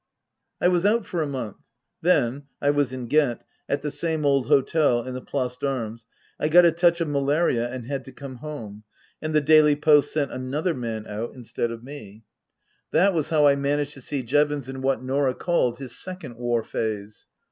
I was out for a month. Then I was in Ghent at the same old hotel in the Place d' Armes I got a touch of malaria and had to come home, and the Daily Post sent another man out instead of me. Book III : His Boot 263 That was how I managed to see Jevons in what Norali called his second war phase.